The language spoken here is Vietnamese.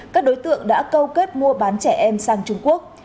các đối tượng đã câu kết mua bán trẻ em sang trung quốc